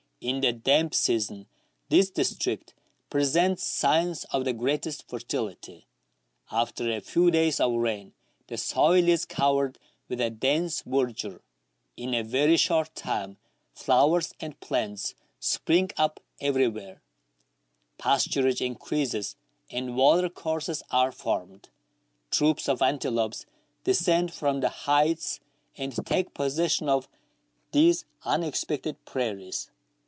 In the damp season this dis trict presents signs of the greatest fertility ; after a few days of rain the soil is covered with a dense verdure ; in a very short time flowers and plants spring up every where ; pasturage increases, and water courses are formed ; troops of antelopes descend from the heights and take possession of these unexpected prairies.